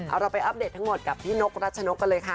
เอาเราไปอัปเดตทั้งหมดกับพี่นกรัชนกกันเลยค่ะ